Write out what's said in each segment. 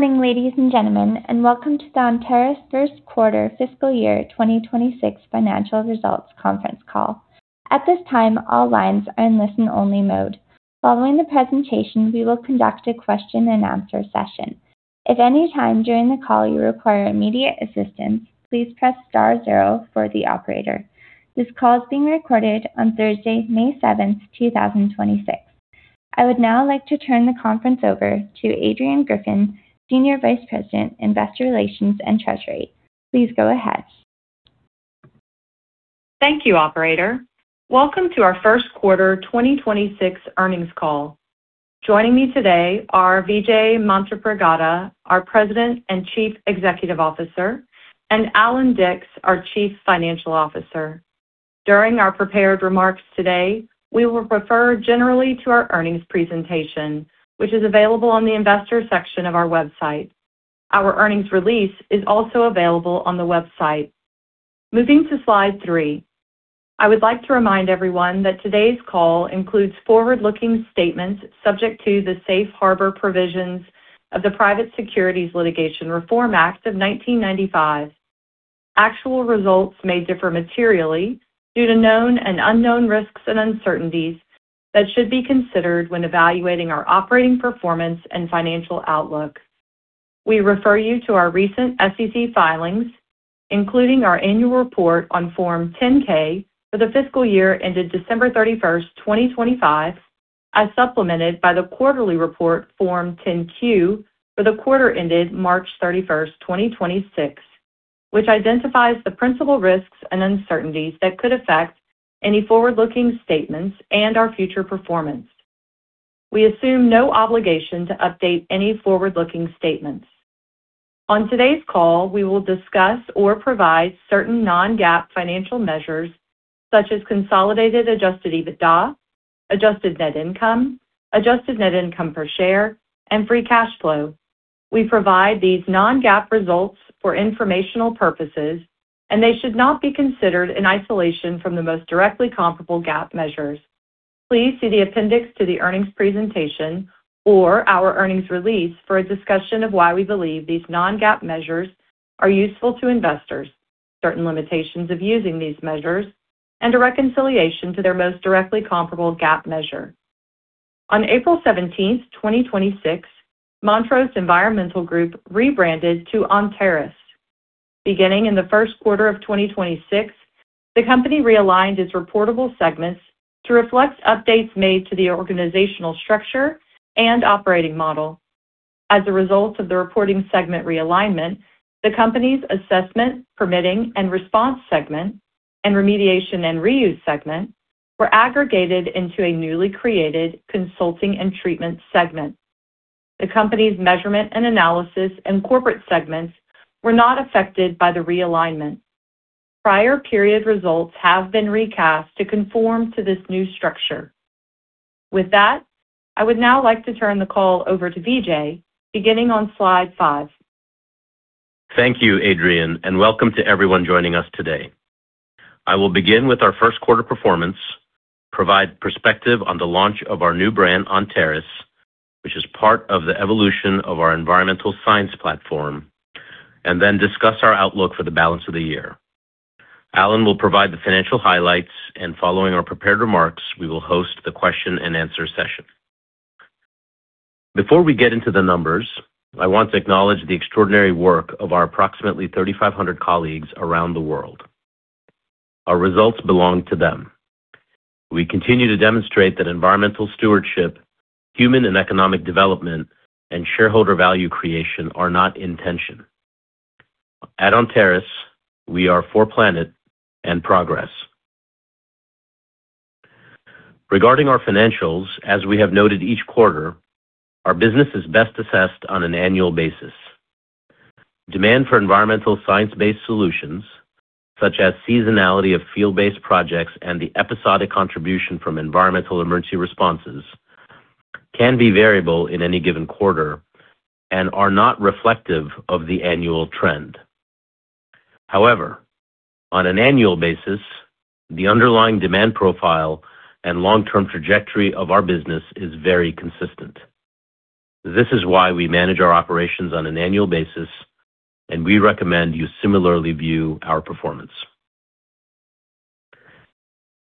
Good morning, ladies and gentlemen, and welcome to the Onterris first quarter fiscal year 2026 financial results conference call. At this time, all lines are in listen-only mode. Following the presentation, we will conduct a question-and-answer session. If any time during the call you require immediate assistance, please press star zero for the operator. This call is being recorded on Thursday, May 7th, 2026. I would now like to turn the conference over to Adrianne Griffin, Senior Vice President, Investor Relations and Treasury. Please go ahead. Thank you, operator. Welcome to our first quarter 2026 earnings call. Joining me today are Vijay Manthripragada, our President and Chief Executive Officer, and Allan Dicks, our Chief Financial Officer. During our prepared remarks today, we will refer generally to our earnings presentation, which is available on the investor section of our website. Our earnings release is also available on the website. Moving to slide 3. I would like to remind everyone that today's call includes forward-looking statements subject to the safe harbor provisions of the Private Securities Litigation Reform Act of 1995. Actual results may differ materially due to known and unknown risks and uncertainties that should be considered when evaluating our operating performance and financial outlook. We refer you to our recent SEC filings, including our annual report on Form 10-K for the fiscal year ended December 31st, 2025, as supplemented by the quarterly report, Form 10-Q, for the quarter ended March 31st, 2026, which identifies the principal risks and uncertainties that could affect any forward-looking statements and our future performance. We assume no obligation to update any forward-looking statements. On today's call, we will discuss or provide certain non-GAAP financial measures such as consolidated adjusted EBITDA, adjusted net income, adjusted net income per share, and free cash flow. We provide these non-GAAP results for informational purposes, and they should not be considered in isolation from the most directly comparable GAAP measures. Please see the appendix to the earnings presentation or our earnings release for a discussion of why we believe these non-GAAP measures are useful to investors, certain limitations of using these measures, and a reconciliation to their most directly comparable GAAP measure. On April 17th, 2026, Montrose Environmental Group rebranded to Onterris. Beginning in the first quarter of 2026, the company realigned its reportable segments to reflect updates made to the organizational structure and operating model. As a result of the reporting segment realignment, the company's Assessment, Permitting and Response segment and Remediation and Reuse segment were aggregated into a newly created Consulting and Treatment segment. The company's Measurement and Analysis and corporate segments were not affected by the realignment. Prior period results have been recast to conform to this new structure. With that, I would now like to turn the call over to Vijay, beginning on slide 5. Thank you, Adrianne. Welcome to everyone joining us today. I will begin with our first quarter performance, provide perspective on the launch of our new brand, Onterris, which is part of the evolution of our environmental science platform, and then discuss our outlook for the bAllance of the year. Allan will provide the financial highlights. Following our prepared remarks, we will host the question-and-answer session. Before we get into the numbers, I want to acknowledge the extraordinary work of our approximately 3,500 colleagues around the world. Our results belong to them. We continue to demonstrate that environmental stewardship, human and economic development, and shareholder value creation are not in tension. At Onterris, we are for planet and progress. Regarding our financials, as we have noted each quarter, our business is best assessed on an annual basis. Demand for environmental science-based solutions, such as seasonality of field-based projects and the episodic contribution from environmental emergency responses, can be variable in any given quarter and are not reflective of the annual trend. However, on an annual basis, the underlying demand profile and long-term trajectory of our business is very consistent. This is why we manage our operations on an annual basis, and we recommend you similarly view our performance.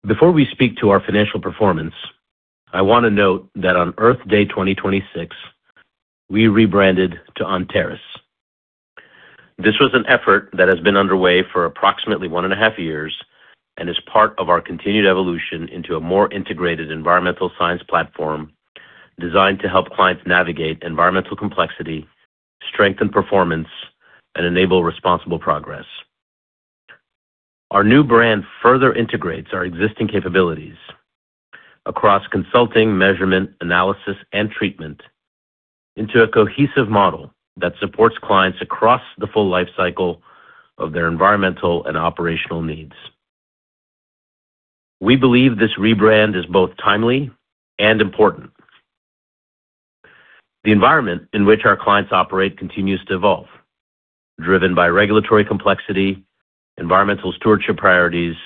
Before we speak to our financial performance, I want to note that on Earth Day 2026, we rebranded to Onterris. This was an effort that has been underway for approximately 1.5 years and is part of our continued evolution into a more integrated environmental science platform designed to help clients navigate environmental complexity, strengthen performance, and enable responsible progress. Our new brand further integrates our existing capabilities across consulting, measurement, analysis, and treatment into a cohesive model that supports clients across the full life cycle of their environmental and operational needs. We believe this rebrand is both timely and important. The environment in which our clients operate continues to evolve, driven by regulatory complexity, environmental stewardship priorities,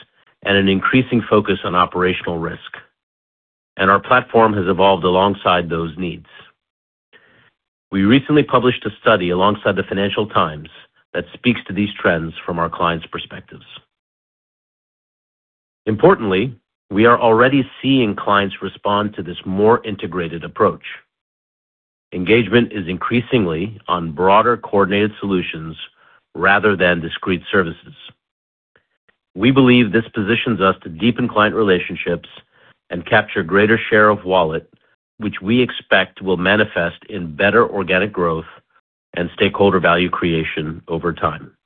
and an increasing focus on operational risk. Our platform has evolved alongside those needs. We recently published a study alongside the Financial Times that speaks to these trends from our clients' perspectives. Importantly, we are already seeing clients respond to this more integrated approach. Engagement is increasingly on broader coordinated solutions rather than discrete services. We believe this positions us to deepen client relationships and capture greater share of wallet, which we expect will manifest in better organic growth and stakeholder value creation over time.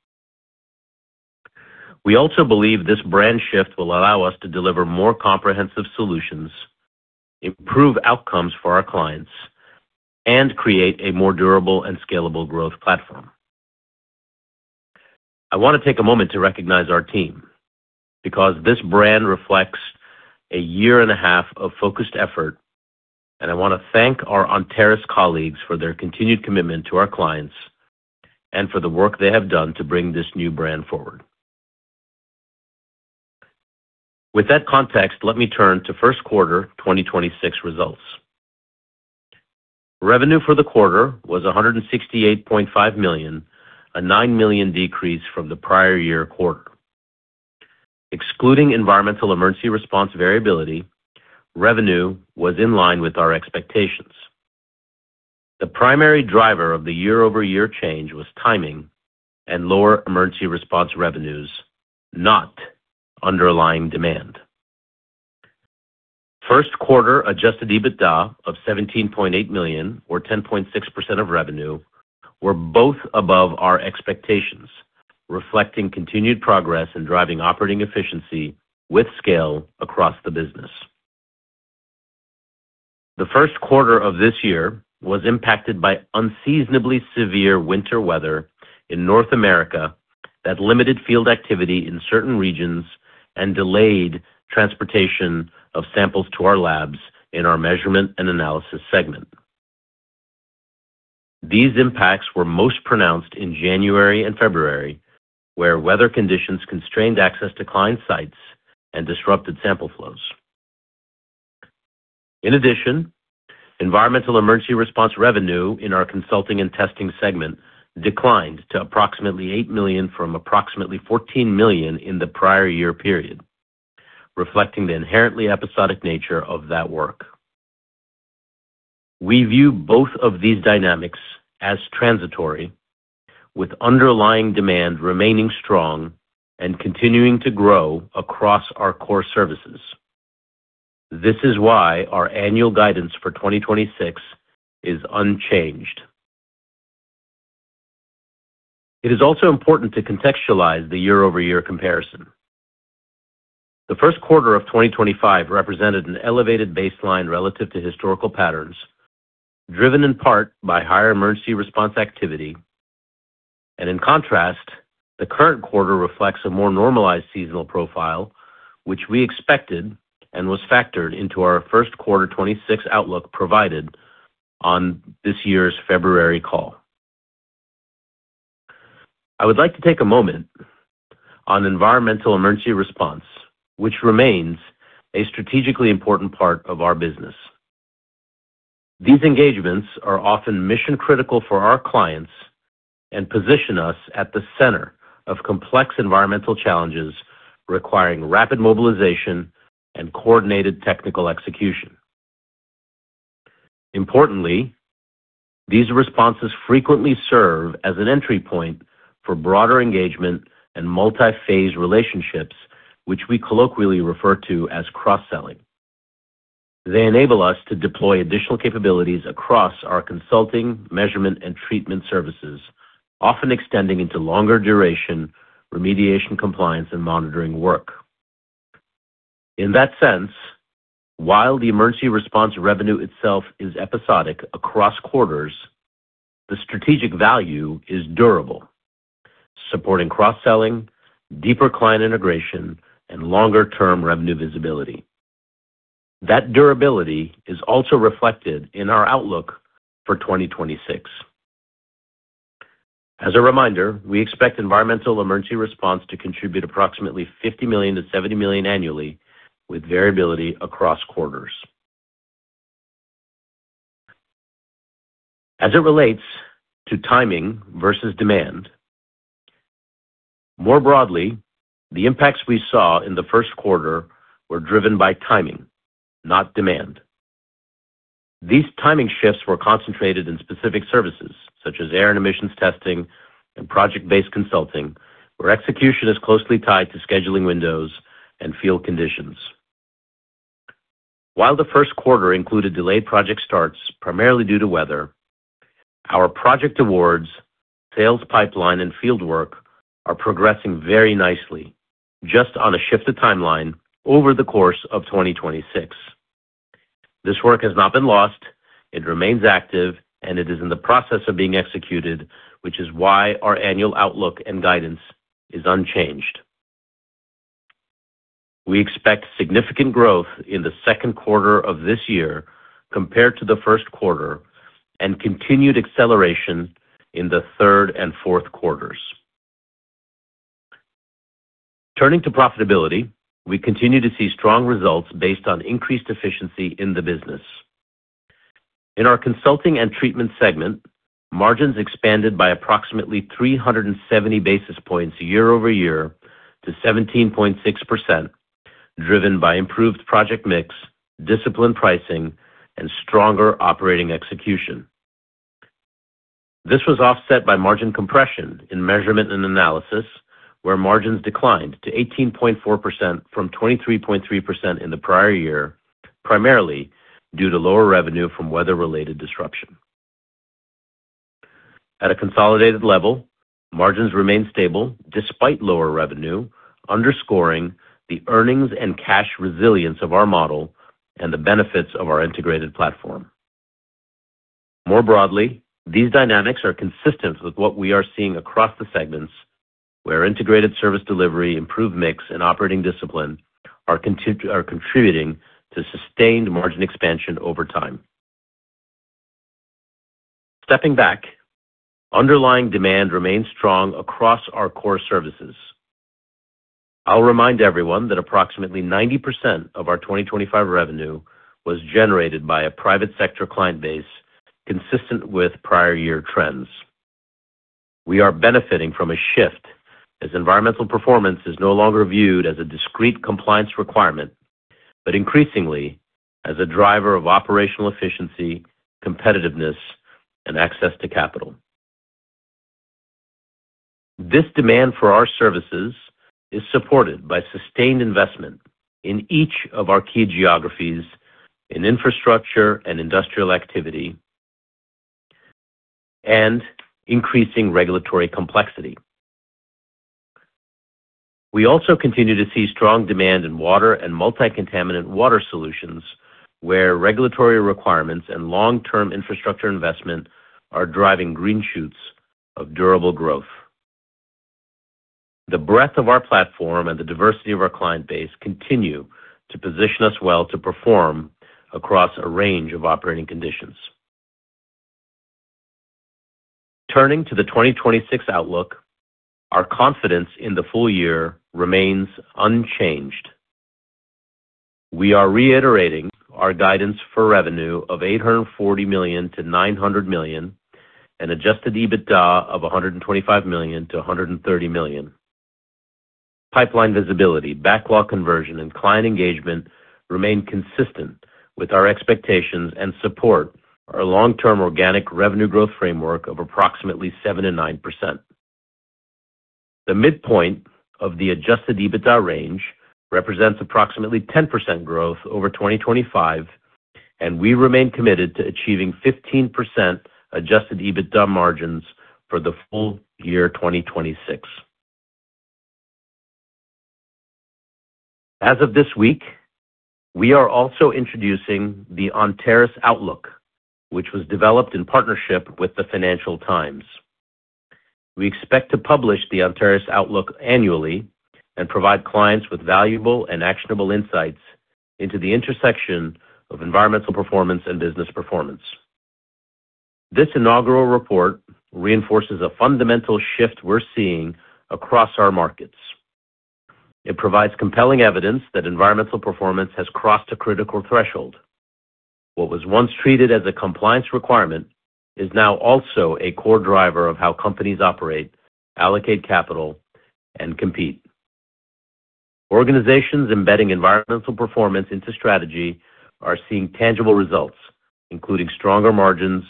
We also believe this brand shift will allow us to deliver more comprehensive solutions, improve outcomes for our clients, and create a more durable and scalable growth platform. I want to take a moment to recognize our team because this brand reflects a year and a half of focused effort, and I want to thank our Onterris colleagues for their continued commitment to our clients and for the work they have done to bring this new brand forward. With that context, let me turn to first quarter 2026 results. Revenue for the quarter was $168.5 million, a $9 million decrease from the prior-year quarter. Excluding environmental emergency response variability, revenue was in line with our expectations. The primary driver of the year-over-year change was timing and lower emergency response revenues, not underlying demand. First quarter adjusted EBITDA of $17.8 million or 10.6% of revenue were both above our expectations, reflecting continued progress in driving operating efficiency with scale across the business. The first quarter of this year was impacted by unseasonably severe winter weather in North America that limited field activity in certain regions and delayed transportation of samples to our labs in our Measurement and Analysis segment. These impacts were most pronounced in January and February, where weather conditions constrained access to client sites and disrupted sample flows. In addition, environmental emergency response revenue in our Consulting and Testing segment declined to approximately $8 million from approximately $14 million in the prior year period, reflecting the inherently episodic nature of that work. We view both of these dynamics as transitory, with underlying demand remaining strong and continuing to grow across our core services. This is why our annual guidance for 2026 is unchanged. It is also important to contextualize the year-over-year comparison. The first quarter of 2025 represented an elevated baseline relative to historical patterns, driven in part by higher emergency response activity. In contrast, the current quarter reflects a more normalized seasonal profile, which we expected and was factored into our first quarter 2026 outlook provided on this year's February call. I would like to take a moment on environmental emergency response, which remains a strategically important part of our business. These engagements are often mission-critical for our clients and position us at the center of complex environmental challenges requiring rapid mobilization and coordinated technical execution. Importantly, these responses frequently serve as an entry point for broader engagement and multi-phase relationships, which we colloquially refer to as cross-selling. They enable us to deploy additional capabilities across our consulting, measurement, and treatment services, often extending into longer duration remediation compliance and monitoring work. In that sense, while the emergency response revenue itself is episodic across quarters, the strategic value is durable, supporting cross-selling, deeper client integration, and longer-term revenue visibility. That durability is also reflected in our outlook for 2026. As a reminder, we expect environmental emergency response to contribute approximately $50 million-$70 million annually, with variability across quarters. As it relates to timing versus demand, more broadly, the impacts we saw in the first quarter were driven by timing, not demand. These timing shifts were concentrated in specific services, such as air and emissions testing and project-based consulting, where execution is closely tied to scheduling windows and field conditions. While the first quarter included delayed project starts primarily due to weather, our project awards, sales pipeline, and field work are progressing very nicely, just on a shifted timeline over the course of 2026. This work has not been lost. It remains active, and it is in the process of being executed, which is why our annual outlook and guidance is unchanged. We expect significant growth in the second quarter of this year compared to the first quarter and continued acceleration in the third and fourth quarters. Turning to profitability, we continue to see strong results based on increased efficiency in the business. In our Consulting and Treatment segment, margins expanded by approximately 370 basis points year-over-year to 17.6%, driven by improved project mix, disciplined pricing, and stronger operating execution. This was offset by margin compression in Measurement and Analysis, where margins declined to 18.4% from 23.3% in the prior year, primarily due to lower revenue from weather-related disruption. At a consolidated level, margins remained stable despite lower revenue, underscoring the earnings and cash resilience of our model and the benefits of our integrated platform. More broadly, these dynamics are consistent with what we are seeing across the segments where integrated service delivery, improved mix, and operating discipline are contributing to sustained margin expansion over time. Stepping back, underlying demand remains strong across our core services. I'll remind everyone that approximately 90% of our 2025 revenue was generated by a private sector client base consistent with prior year trends. We are benefiting from a shift as environmental performance is no longer viewed as a discrete compliance requirement, but increasingly as a driver of operational efficiency, competitiveness, and access to capital. This demand for our services is supported by sustained investment in each of our key geographies in infrastructure and industrial activity and increasing regulatory complexity. We also continue to see strong demand in water and multi-contaminant water solutions, where regulatory requirements and long-term infrastructure investment are driving green shoots of durable growth. The breadth of our platform and the diversity of our client base continue to position us well to perform across a range of operating conditions. Turning to the 2026 outlook, our confidence in the full-year remains unchanged. We are reiterating our guidance for revenue of $840 million-$900 million and adjusted EBITDA of $125 million-$130 million. Pipeline visibility, backlog conversion, and client engagement remain consistent with our expectations and support our long-term organic revenue growth framework of approximately 7% and 9%. The midpoint of the adjusted EBITDA range represents approximately 10% growth over 2025, and we remain committed to achieving 15% adjusted EBITDA margins for the full-year 2026. As of this week, we are also introducing the Onterris Outlook, which was developed in partnership with the Financial Times. We expect to publish the Onterris Outlook annually and provide clients with valuable and actionable insights into the intersection of environmental performance and business performance. This inaugural report reinforces a fundamental shift we're seeing across our markets. It provides compelling evidence that environmental performance has crossed a critical threshold. What was once treated as a compliance requirement is now also a core driver of how companies operate, allocate capital, and compete. Organizations embedding environmental performance into strategy are seeing tangible results, including stronger margins,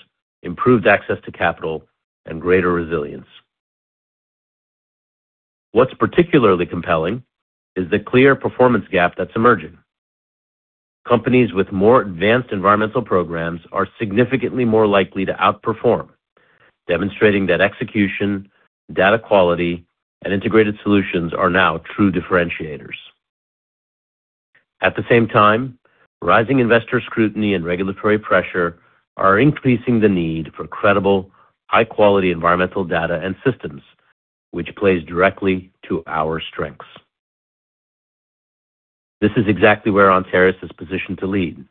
improved access to capital, and greater resilience. What's particularly compelling is the clear performance gap that's emerging. Companies with more advanced environmental programs are significantly more likely to outperform, demonstrating that execution, data quality, and integrated solutions are now true differentiators. At the same time, rising investor scrutiny and regulatory pressure are increasing the need for credible, high-quality environmental data and systems, which plays directly to our strengths. This is exactly where Onterris is positioned to lead.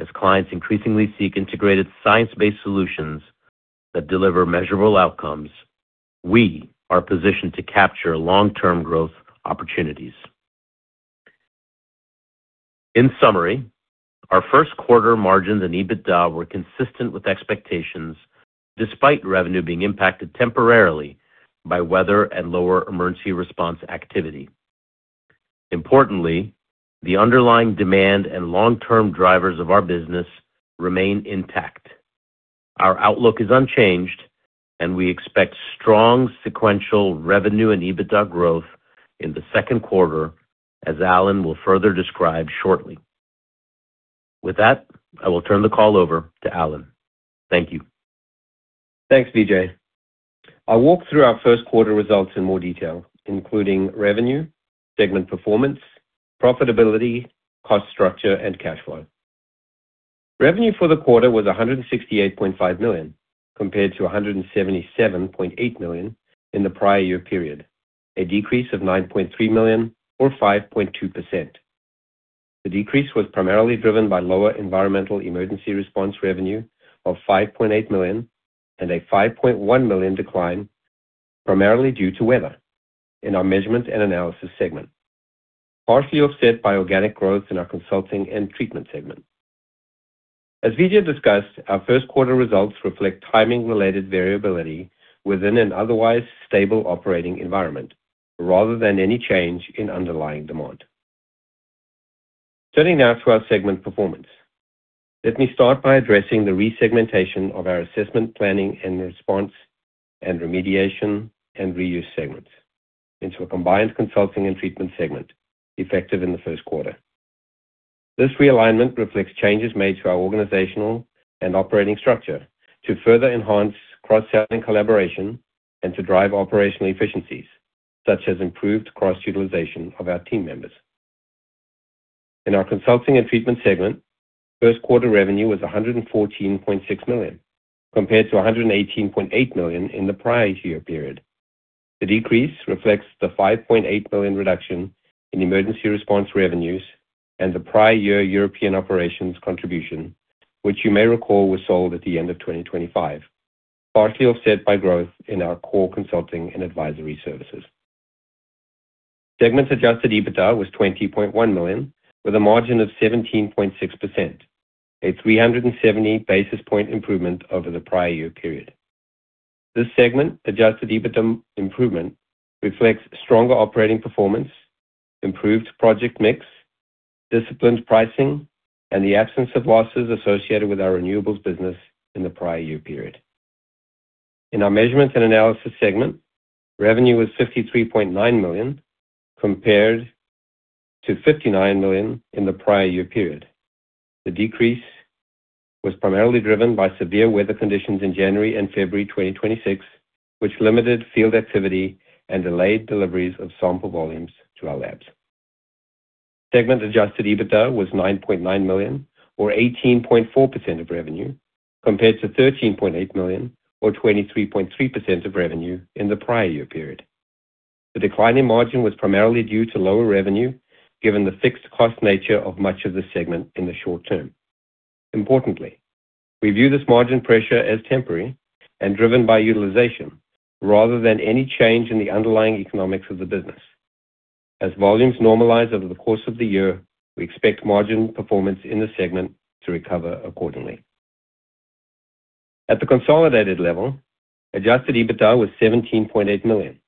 As clients increasingly seek integrated science-based solutions that deliver measurable outcomes, we are positioned to capture long-term growth opportunities. In summary, our first quarter margins and EBITDA were consistent with expectations despite revenue being impacted temporarily by weather and lower emergency response activity. Importantly, the underlying demand and long-term drivers of our business remain intact. Our outlook is unchanged, and we expect strong sequential revenue and EBITDA growth in the second quarter, as Allan will further describe shortly. With that, I will turn the call over to Allan. Thank you. Thanks, Vijay. I'll walk through our first quarter results in more detail, including revenue, segment performance, profitability, cost structure, and cash flow. Revenue for the quarter was $168.5 million, compared to $177.8 million in the prior year period, a decrease of $9.3 million or 5.2%. The decrease was primarily driven by lower environmental emergency response revenue of $5.8 million and a $5.1 million decline, primarily due to weather in our Measurement and Analysis segment, partially offset by organic growth in our Consulting and Treatment segment. As Vijay discussed, our first quarter results reflect timing-related variability within an otherwise stable operating environment rather than any change in underlying demand. Turning now to our segment performance. Let me start by addressing the resegmentation of our Assessment, Permitting and Response and Remediation and Reuse segments into a combined Consulting and Treatment segment effective in the first quarter. This realignment reflects changes made to our organizational and operating structure to further enhance cross-selling collaboration and to drive operational efficiencies, such as improved cross-utilization of our team members. In our Consulting and Treatment segment, first quarter revenue was $114.6 million, compared to $118.8 million in the prior year period. The decrease reflects the $5.8 million reduction in emergency response revenues and the prior year European operations contribution, which you may recall was sold at the end of 2025, partially offset by growth in our core consulting and advisory services. Segment-adjusted EBITDA was $20.1 million, with a margin of 17.6%, a 370 basis point improvement over the prior year period. This segment, adjusted EBITDA improvement, reflects stronger operating performance, improved project mix, disciplined pricing, and the absence of losses associated with our renewables business in the prior year period. In our Measurement and Analysis segment, revenue was $53.9 million, compared to $59 million in the prior year period. The decrease was primarily driven by severe weather conditions in January and February 2026, which limited field activity and delayed deliveries of sample volumes to our labs. Segment adjusted EBITDA was $9.9 million or 18.4% of revenue, compared to $13.8 million or 23.3% of revenue in the prior year period. The decline in margin was primarily due to lower revenue, given the fixed cost nature of much of the segment in the short term. Importantly, we view this margin pressure as temporary and driven by utilization rather than any change in the underlying economics of the business. As volumes normalize over the course of the year, we expect margin performance in the segment to recover accordingly. At the consolidated level, adjusted EBITDA was $17.8 million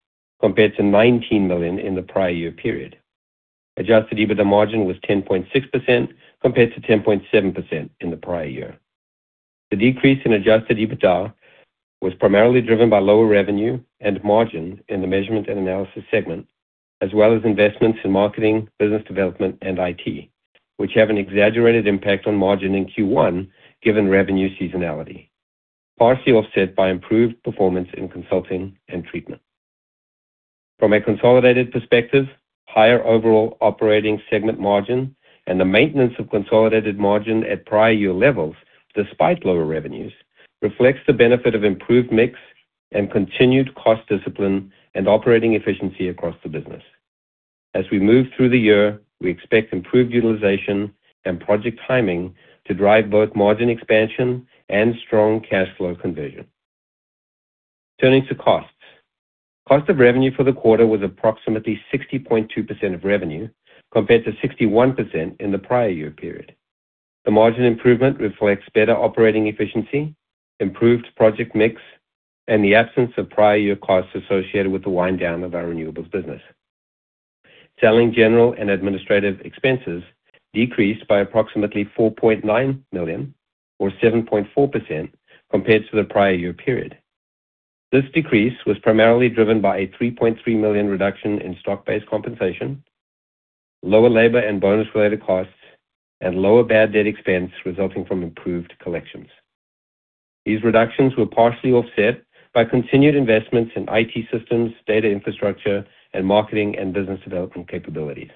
compared to $19 million in the prior year period. Adjusted EBITDA margin was 10.6% compared to 10.7% in the prior year. The decrease in adjusted EBITDA was primarily driven by lower revenue and margin in the Measurement and Analysis segment, as well as investments in marketing, business development and IT, which have an exaggerated impact on margin in Q1 given revenue seasonality, partially offset by improved performance in Consulting and Treatment segment. From a consolidated perspective, higher overall operating segment margin and the maintenance of consolidated margin at prior year levels despite lower revenues, reflects the benefit of improved mix and continued cost discipline and operating efficiency across the business. As we move through the year, we expect improved utilization and project timing to drive both margin expansion and strong cash flow conversion. Turning to costs. Cost of revenue for the quarter was approximately 60.2% of revenue, compared to 61% in the prior year period. The margin improvement reflects better operating efficiency, improved project mix, and the absence of prior-year costs associated with the wind down of our renewables business. Selling general and administrative expenses decreased by approximately $4.9 million or 7.4% compared to the prior-year period. This decrease was primarily driven by a $3.3 million reduction in stock-based compensation, lower labor and bonus-related costs, and lower bad debt expense resulting from improved collections. These reductions were partially offset by continued investments in IT systems, data infrastructure, and marketing and business development capabilities.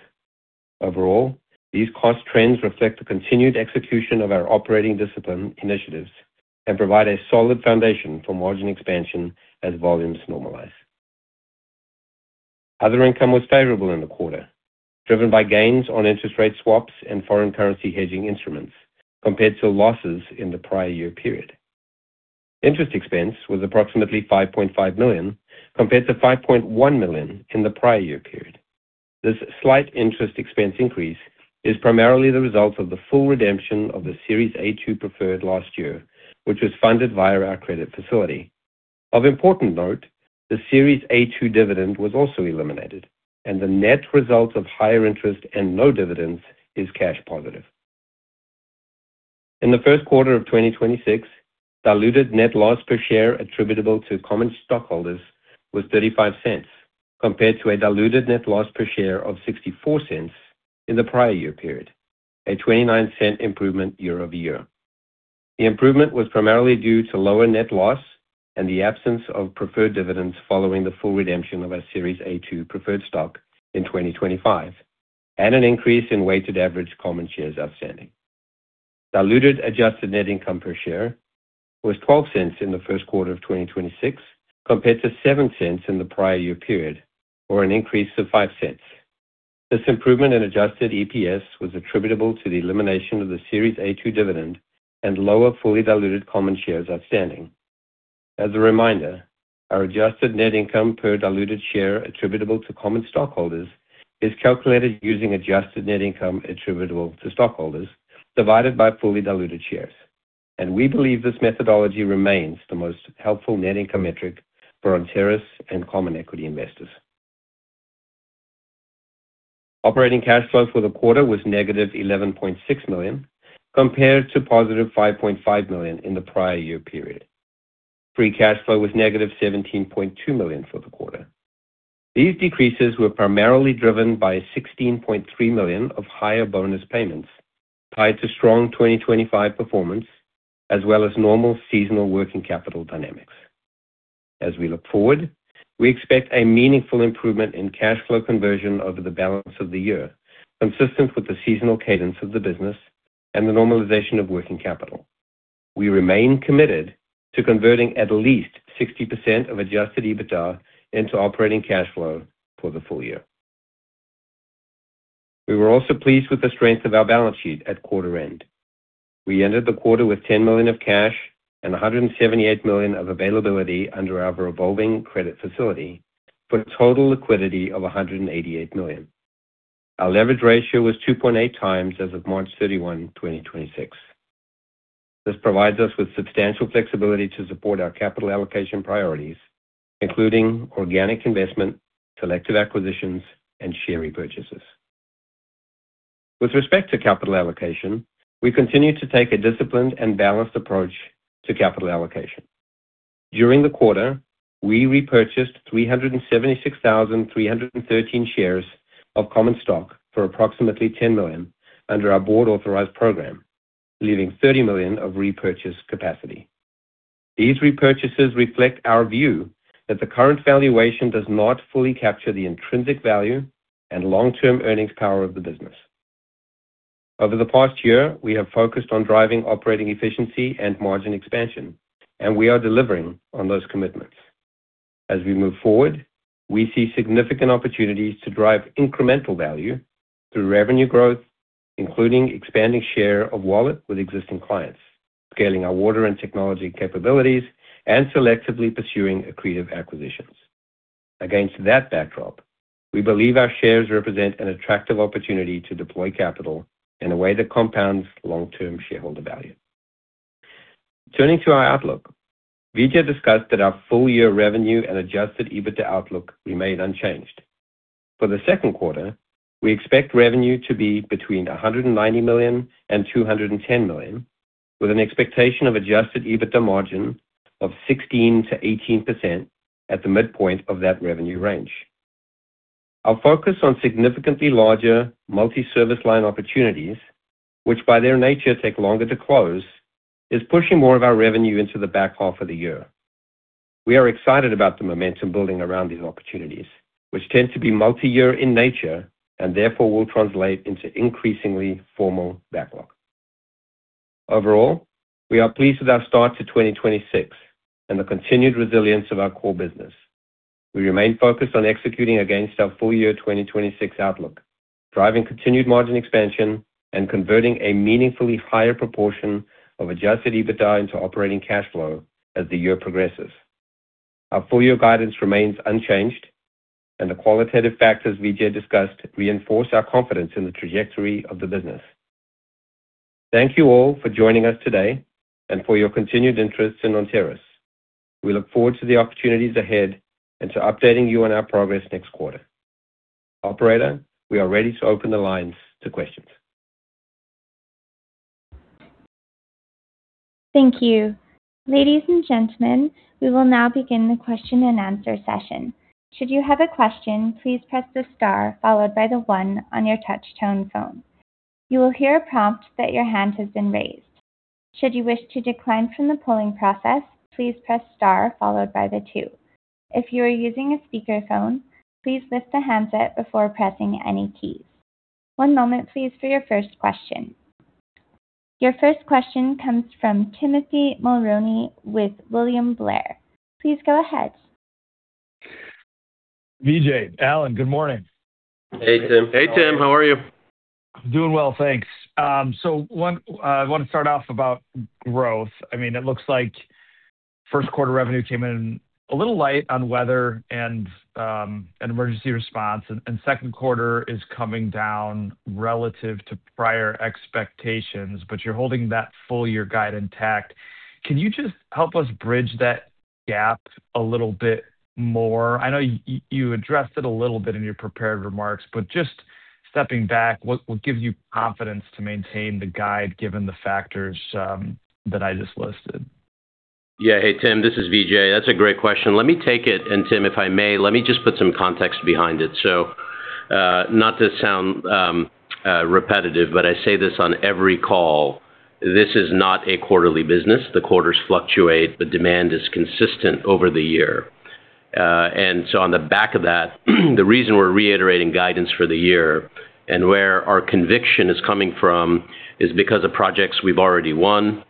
Overall, these cost trends reflect the continued execution of our operating discipline initiatives and provide a solid foundation for margin expansion as volumes normalize. Other income was favorable in the quarter, driven by gains on interest rate swaps and foreign currency hedging instruments compared to losses in the prior-year period. Interest expense was approximately $5.5 million, compared to $5.1 million in the prior year period. This slight interest expense increase is primarily the result of the full redemption of the Series A-2 preferred last year, which was funded via our credit facility. Of important note, the Series A-2 dividend was also eliminated and the net result of higher interest and no dividends is cash positive. In the first quarter of 2026, diluted net loss per share attributable to common stockholders was $0.35, compared to a diluted net loss per share of $0.64 in the prior year period, a $0.29 improvement year-over-year. The improvement was primarily due to lower net loss and the absence of preferred dividends following the full redemption of our Series A-2 preferred stock in 2025 and an increase in weighted average common shares outstanding. Diluted adjusted net income per share was $0.12 in the first quarter of 2026, compared to $0.07 in the prior year period, or an increase of $0.05. This improvement in adjusted EPS was attributable to the elimination of the Series A-2 dividend and lower fully diluted common shares outstanding. As a reminder, our adjusted net income per diluted share attributable to common stockholders is calculated using adjusted net income attributable to stockholders divided by fully diluted shares. We believe this methodology remains the most helpful net income metric for Onterris and common equity investors. Operating cash flow for the quarter was negative $11.6 million, compared to positive $5.5 million in the prior year period. free cash flow was negative $17.2 million for the quarter. These decreases were primarily driven by $16.3 million of higher bonus payments tied to strong 2025 performance, as well as normal seasonal working capital dynamics. As we look forward, we expect a meaningful improvement in cash flow conversion over the balance of the year, consistent with the seasonal cadence of the business and the normalization of working capital. We remain committed to converting at least 60% of adjusted EBITDA into operating cash flow for the full-year. We were also pleased with the strength of our balance sheet at quarter end. We ended the quarter with $10 million of cash and $178 million of availability under our revolving credit facility for a total liquidity of $188 million. Our leverage ratio was 2.8x as of March 31, 2026. This provides us with substantial flexibility to support our capital allocation priorities, including organic investment, selective acquisitions and share repurchases. With respect to capital allocation, we continue to take a disciplined and balanced approach to capital allocation. During the quarter, we repurchased 376,313 shares of common stock for approximately $10 million under our board authorized program, leaving $30 million of repurchase capacity. These repurchases reflect our view that the current valuation does not fully capture the intrinsic value and long-term earnings power of the business. Over the past year, we have focused on driving operating efficiency and margin expansion. We are delivering on those commitments. As we move forward, we see significant opportunities to drive incremental value through revenue growth, including expanding share of wallet with existing clients, scaling our water and technology capabilities, and selectively pursuing accretive acquisitions. Against that backdrop, we believe our shares represent an attractive opportunity to deploy capital in a way that compounds long-term shareholder value. Turning to our outlook, Vijay discussed that our full-year revenue and adjusted EBITDA outlook remained unchanged. For the second quarter, we expect revenue to be between $190 million and $210 million, with an expectation of adjusted EBITDA margin of 16%-18% at the midpoint of that revenue range. Our focus on significantly larger multi-service line opportunities, which by their nature take longer to close, is pushing more of our revenue into the back half of the year. We are excited about the momentum building around these opportunities, which tend to be multi-year in nature and therefore will translate into increasingly formal backlog. Overall, we are pleased with our start to 2026 and the continued resilience of our core business. We remain focused on executing against our full-year 2026 outlook, driving continued margin expansion and converting a meaningfully higher proportion of adjusted EBITDA into operating cash flow as the year progresses. Our full-year guidance remains unchanged and the qualitative factors Vijay discussed reinforce our confidence in the trajectory of the business. Thank you all for joining us today and for your continued interest in Onterris. We look forward to the opportunities ahead and to updating you on our progress next quarter. Operator, we are ready to open the lines to questions. Thank you. Ladies and gentlemen, we will now begin the question-and-answer session. Should you have a question, please press the star followed by the one on your touch tone phone. You will hear a prompt that your hand has been raised. Should you wish to decline from the polling process, please press star followed by the two. If you are using a speakerphone, please lift the handset before pressing any keys. One moment please for your first question. Your first question comes from Timothy Mulrooney with William Blair. Please go ahead. Vijay, Allan, good morning. Hey, Tim. Hey, Tim. How are you? Doing well, thanks. One, I want to start off about growth. I mean, it looks like first quarter revenue came in a little light on weather and emergency response. Second quarter is coming down relative to prior expectations, but you're holding that full-year guide intact. Can you just help us bridge that gap a little bit more? I know you addressed it a little bit in your prepared remarks, but just stepping back, what gives you confidence to maintain the guide given the factors that I just listed? Yeah. Hey, Tim. This is Vijay. That's a great question. Let me take it. Tim, if I may, let me just put some context behind it. Not to sound repetitive, I say this on every call. This is not a quarterly business. The quarters fluctuate. The demand is consistent over the year. On the back of that, the reason we're reiterating guidance for the year and where our conviction is coming from is because of projects we've already won,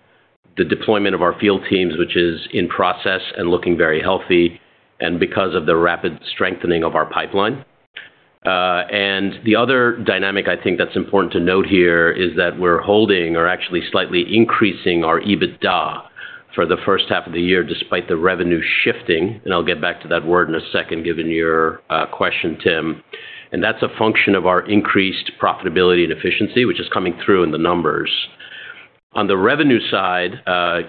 the deployment of our field teams, which is in process and looking very healthy, and because of the rapid strengthening of our pipeline. The other dynamic I think that's important to note here is that we're holding or actually slightly increasing our EBITDA for the first half of the year, despite the revenue shifting, and I'll get back to that word in a second, given your question, Tim. That's a function of our increased profitability and efficiency, which is coming through in the numbers. On the revenue side,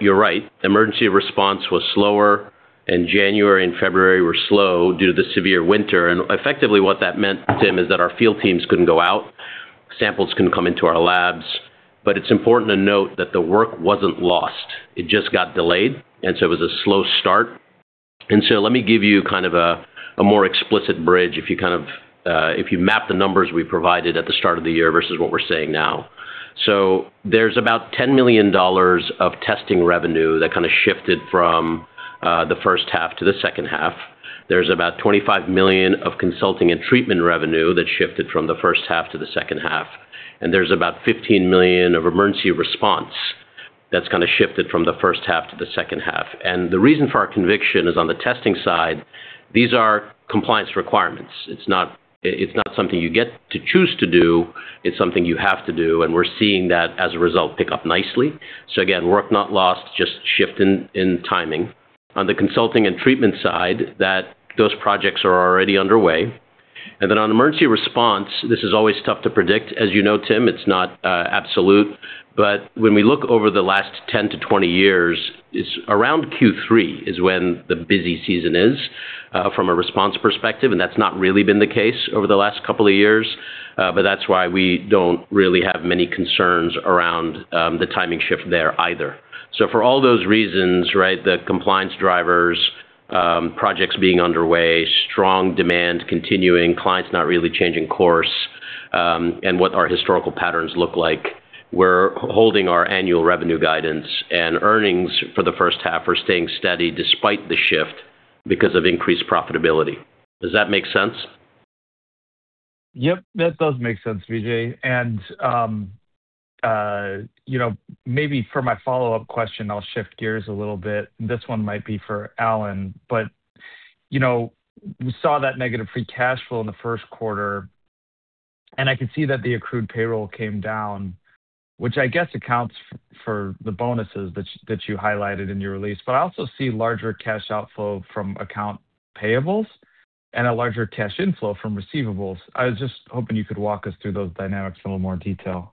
you're right. Emergency response was slower, and January and February were slow due to the severe winter. Effectively, what that meant, Tim, is that our field teams couldn't go out, samples couldn't come into our labs. It's important to note that the work wasn't lost. It just got delayed, and so it was a slow start. Let me give you kind of a more explicit bridge if you kind of, if you map the numbers we provided at the start of the year versus what we're saying now. There's about $10 million of testing revenue that kind of shifted from the first half to the second half. There's about $25 million of Consulting and Treatment revenue that shifted from the first half to the second half. There's about $15 million of emergency response that's kind of shifted from the first half to the second half. The reason for our conviction is on the testing side, these are compliance requirements. It's not something you get to choose to do. It's something you have to do. We're seeing that, as a result, pick up nicely. Again, work not lost, just shift in timing. On the Consulting and Treatment side, that those projects are already underway. On emergency response, this is always tough to predict. As you know, Tim, it's not absolute. When we look over the last 10-20 years, it's around Q3 is when the busy season is from a response perspective, that's not really been the case over the last couple of years. That's why we don't really have many concerns around the timing shift there either. For all those reasons, right, the compliance drivers, projects being underway, strong demand continuing, clients not really changing course, what our historical patterns look like, we're holding our annual revenue guidance and earnings for the first half are staying steady despite the shift because of increased profitability. Does that make sense? Yep, that does make sense, Vijay. You know, maybe for my follow-up question, I'll shift gears a little bit. This one might be for Allan, you know, we saw that negative free cash flow in the first quarter, and I can see that the accrued payroll came down, which I guess accounts for the bonuses that you highlighted in your release. I also see larger cash outflow from accounts payable and a larger cash inflow from receivables. I was just hoping you could walk us through those dynamics in a little more detail.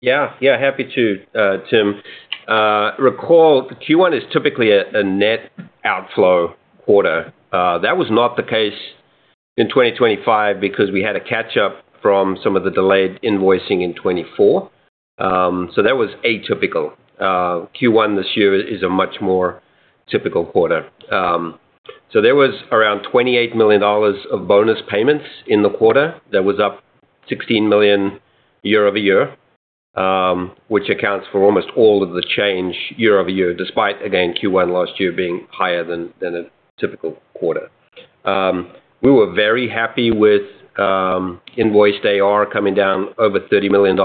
Yeah. Yeah, happy to, Tim. Recall, Q1 is typically a net outflow quarter. That was not the case in 2025 because we had a catch-up from some of the delayed invoicing in 2024. That was atypical. Q1 this year is a much more typical quarter. There was around $28 million of bonus payments in the quarter. That was up $16 million year-over-year, which accounts for almost all of the change year-over-year, despite, again, Q1 last year being higher than a typical quarter. We were very happy with invoice AR coming down over $30 million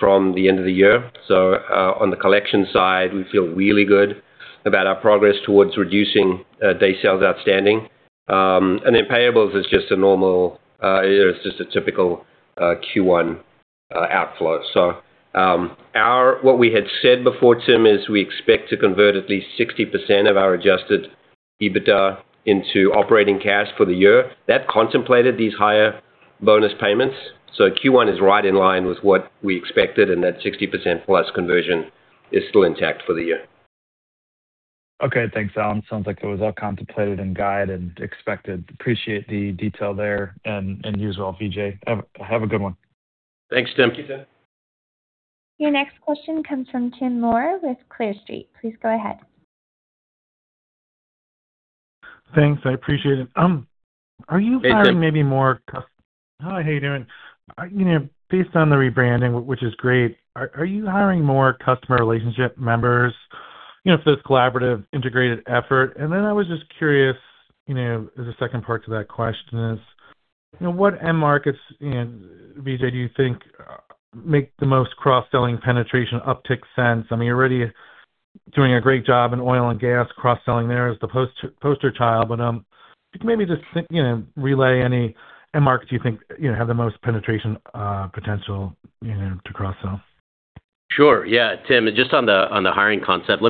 from the end of the year. On the collection side, we feel really good about our progress towards reducing day-sales outstanding. Payables is just a normal, you know, it's just a typical Q1 outflow. What we had said before, Tim, is we expect to convert at least 60% of our adjusted EBITDA into operating cash for the year. That contemplated these higher bonus payments. Q1 is right in line with what we expected, and that 60% plus conversion is still intact for the year. Okay. Thanks, Allan. Sounds like it was all contemplated and guided and expected. Appreciate the detail there and yours as well, Vijay. Have a good one. Thanks, Tim. Thank you, Tim. Your next question comes from Tim Moore with Clear Street. Please go ahead. Thanks, I appreciate it. Are you hiring maybe more? Hey, Tim. Hi, how you doing? You know, based on the rebranding, which is great, are you hiring more customer relationship members, you know, for this collaborative integrated effort? I was just curious, you know, as a second part to that question is, you know, what end markets, you know, Vijay, do you think make the most cross-selling penetration uptick sense? I mean, you're already doing a great job in oil and gas cross-selling there as the poster child. If you maybe just, you know, relay any end markets you think, you know, have the most penetration potential, you know, to cross-sell. Sure. Yeah. Tim, just on the hiring concept,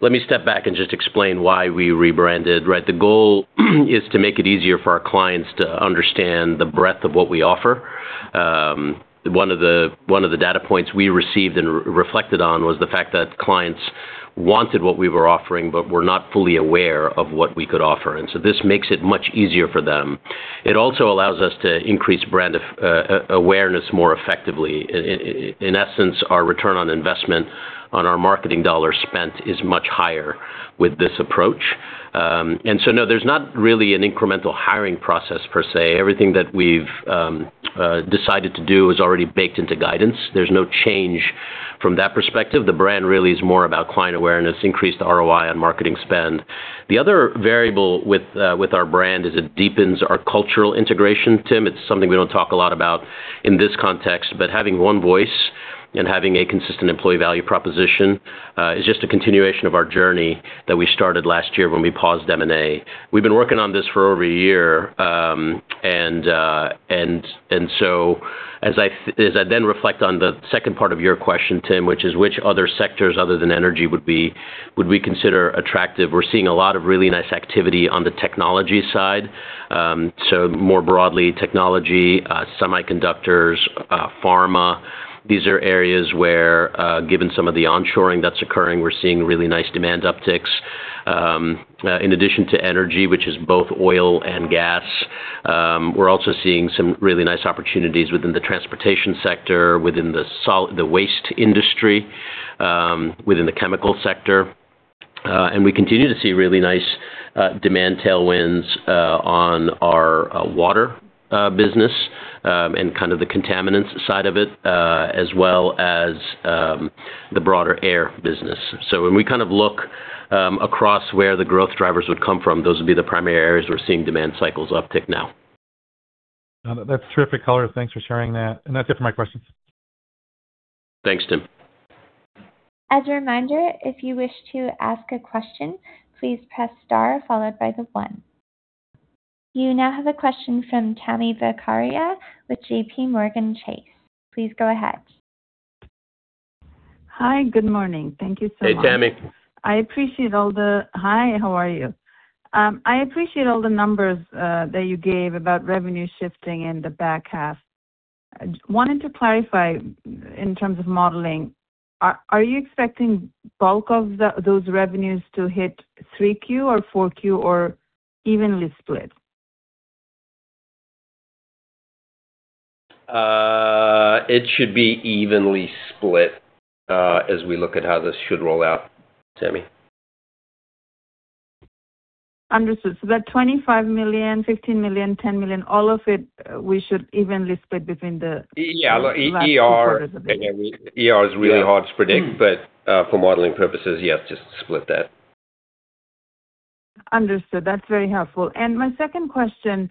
let me step back and just explain why we rebranded, right? The goal is to make it easier for our clients to understand the breadth of what we offer. One of the data points we received and reflected on was the fact that clients wanted what we were offering but were not fully aware of what we could offer. This makes it much easier for them. It also allows us to increase brand awareness more effectively. In essence, our return on investment on our marketing dollar spent is much higher with this approach. No, there's not really an incremental hiring process per se. Everything that we've decided to do is already baked into guidance. There's no change. From that perspective, the brand really is more about client awareness, increased ROI on marketing spend. The other variable with our brand is it deepens our cultural integration, Tim. It's something we don't talk a lot about in this context, but having one voice and having a consistent employee value proposition is just a continuation of our journey that we started last year when we paused M&A. We've been working on this for over a year, as I then reflect on the second part of your question, Tim, which is which other sectors other than energy would we consider attractive, we're seeing a lot of really nice activity on the technology side. More broadly, technology, semiconductors, pharma. These are areas where, given some of the onshoring that's occurring, we're seeing really nice demand upticks. In addition to energy, which is both oil and gas, we're also seeing some really nice opportunities within the transportation sector, within the waste industry, within the chemical sector. We continue to see really nice demand tailwinds on our water business, and kind of the contaminants side of it, as well as the broader air business. When we kind of look across where the growth drivers would come from, those would be the primary areas we're seeing demand cycles uptick now. That's terrific color. Thanks for sharing that. That's it for my questions. Thanks, Tim. As a reminder, if you wish to ask a question, please press star followed by the one. You now have a question from Tami Zakaria with JPMorgan Chase. Please go ahead. Hi, good morning. Thank you so much. Hey, Tami. Hi, how are you? I appreciate all the numbers that you gave about revenue shifting in the back half. Wanted to clarify in terms of modeling, are you expecting bulk of those revenues to hit 3Q or 4Q or evenly split? It should be evenly split, as we look at how this should roll out, Tami. Understood. That $25 million, $15 million, $10 million, all of it, we should evenly split between? Yeah. Look last two quarters of this year. ER is really hard to predict, but, for modeling purposes, yes, just split that. Understood. That's very helpful. My second question,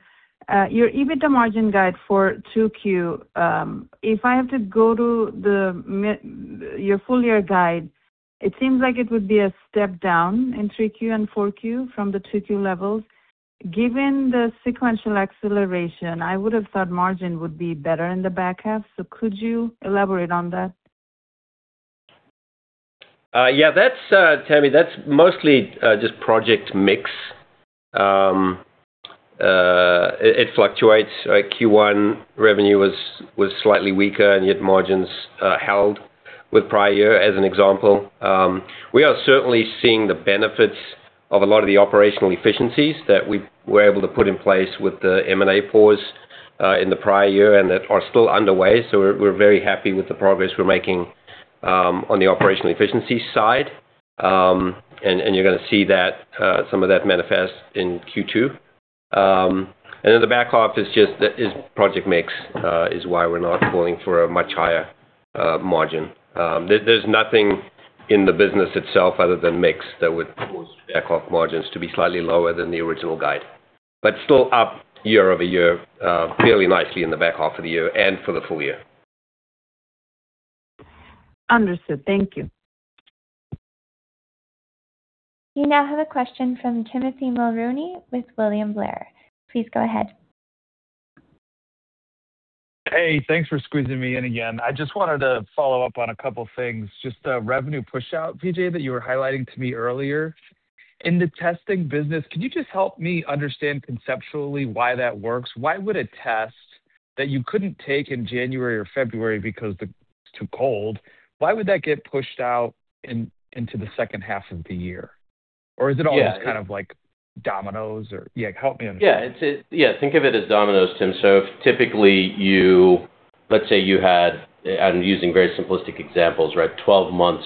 your EBITDA margin guide for 2Q, if I have to go to your full-year guide, it seems like it would be a step down in 3Q and 4Q from the 2Q levels. Given the sequential acceleration, I would have thought margin would be better in the back half. Could you elaborate on that? Yeah, that's, Tami, that's mostly just project mix. It fluctuates. Q1 revenue was slightly weaker, and yet margins held with prior as an example. We are certainly seeing the benefits of a lot of the operational efficiencies that we were able to put in place with the M&A pause in the prior year and that are still underway. We're very happy with the progress we're making on the operational efficiency side. You're gonna see that some of that manifest in Q2. The back half is just project mix is why we're not going for a much higher margin. There's nothing in the business itself other than mix that would cause back half margins to be slightly lower than the original guide. Still up year-over-year, fairly nicely in the back half of the year and for the full-year. Understood. Thank you. You now have a question from Timothy Mulrooney with William Blair. Please go ahead. Thanks for squeezing me in again. I just wanted to follow up on a couple of things. Just the revenue pushout, Vijay, that you were highlighting to me earlier. In the testing business, could you just help me understand conceptually why that works? Why would a test that you couldn't take in January or February because it's too cold, why would that get pushed out into the second half of the year? Yeah. Is it all just kind of like dominoes? Can you help me understand? Yeah. It's, think of it as dominoes, Tim Moore. If typically let's say you had, I'm using very simplistic examples, right? 12 months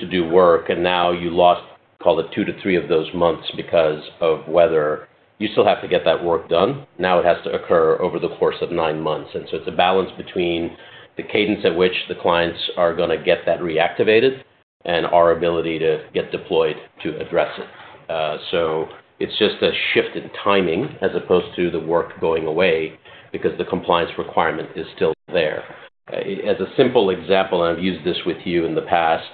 to do work, and now you lost, call it two-three of those months because of weather. You still have to get that work done. Now it has to occur over the course of nine months. It's a balance between the cadence at which the clients are gonna get that reactivated and our ability to get deployed to address it. It's just a shift in timing as opposed to the work going away because the compliance requirement is still there. As a simple example, I've used this with you in the past,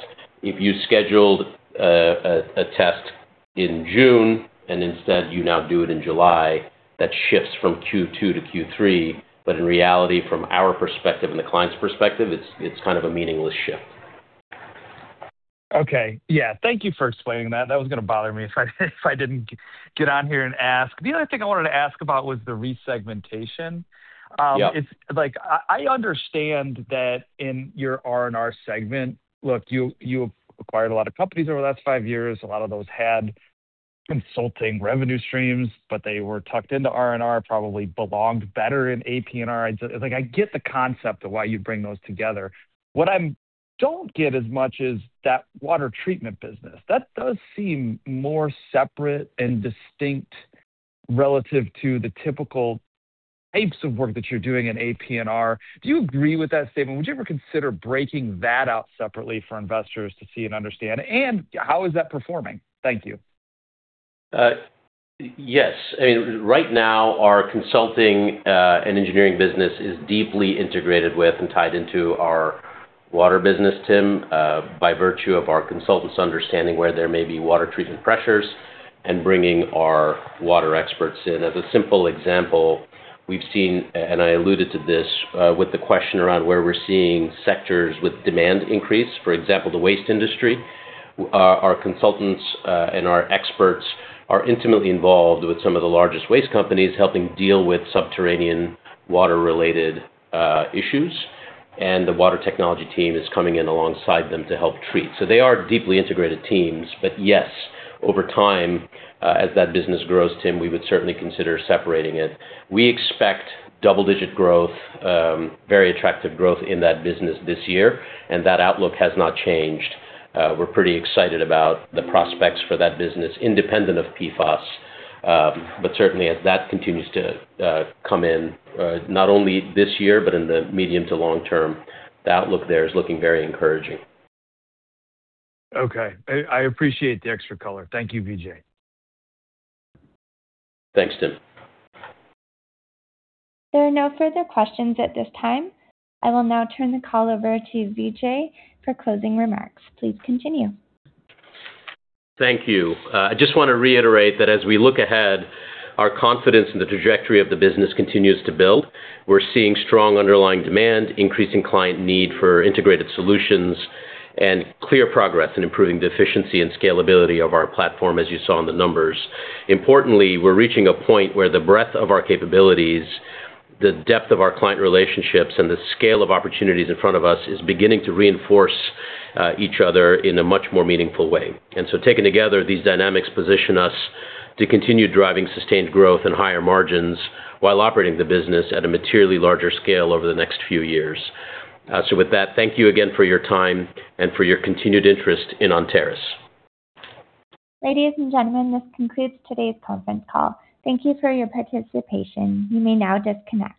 if you scheduled a test in June and instead you now do it in July, that shifts from Q2 to Q3. In reality, from our perspective and the client's perspective, it's kind of a meaningless shift. Okay. Yeah. Thank you for explaining that. That was gonna bother me if I didn't get on here and ask. The other thing I wanted to ask about was the re-segmentation. Yeah. it's like I understand that in your R&R segment, look, you acquired a lot of companies over the last five years. A lot of those had consulting revenue streams, but they were tucked into RNR, probably belonged better in AP&R. It's like I get the concept of why you bring those together. What I don't get as much is that water treatment business. That does seem more separate and distinct relative to the typical types of work that you're doing in AP&R. Do you agree with that statement? Would you ever consider breaking that out separately for investors to see and understand? How is that performing? Thank you. Yes. I mean, right now our consulting and engineering business is deeply integrated with and tied into our water business, Tim, by virtue of our consultants understanding where there may be water treatment pressures and bringing our water experts in. As a simple example, we've seen, and I alluded to this, with the question around where we're seeing sectors with demand increase, for example, the waste industry. Our consultants and our experts are intimately involved with some of the largest waste companies, helping deal with subterranean water-related issues. The water technology team is coming in alongside them to help treat. They are deeply integrated teams, but yes, over time, as that business grows, Tim, we would certainly consider separating it. We expect double-digit growth, very attractive growth in that business this year, and that outlook has not changed. We're pretty excited about the prospects for that business independent of PFAS. Certainly as that continues to come in, not only this year but in the medium to long term, the outlook there is looking very encouraging. Okay. I appreciate the extra color. Thank you, Vijay. Thanks, Tim. There are no further questions at this time. I will now turn the call over to Vijay for closing remarks. Please continue. Thank you. I just wanna reiterate that as we look ahead, our confidence in the trajectory of the business continues to build. We're seeing strong underlying demand, increasing client need for integrated solutions, and clear progress in improving the efficiency and scalability of our platform, as you saw in the numbers. Importantly, we're reaching a point where the breadth of our capabilities, the depth of our client relationships, and the scale of opportunities in front of us is beginning to reinforce each other in a much more meaningful way. Taken together, these dynamics position us to continue driving sustained growth and higher margins while operating the business at a materially larger scale over the next few years. With that, thank you again for your time and for your continued interest in Onterris. Ladies and gentlemen, this concludes today's conference call. Thank you for your participation. You may now disconnect.